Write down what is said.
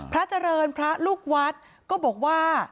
พระเจริญพระลูกวัดก็บอกว่า